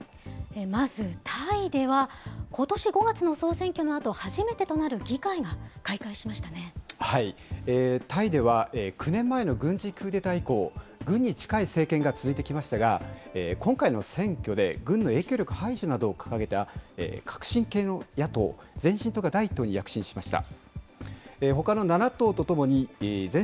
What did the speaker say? まずタイでは、ことし５月の総選挙のあと、初めてとなる議会が開タイでは、９年前の軍事クーデター以降、軍に近い政権が続いてきましたが、今回の選挙で軍の影響力排除などを掲げた革新系の野党・前進党が第１党に躍進しました。